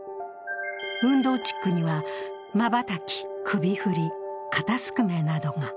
運動チックには、まばたき、首振り肩すくめなどが。